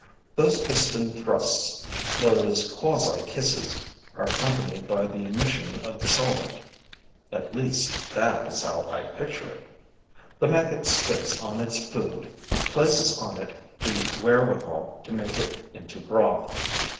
Those piston thrusts, those quasi kisses, are accompanied by the emission of the solvent: at least, that is how I picture it. The maggot spits on its food, places on it the wherewithal to make it into broth.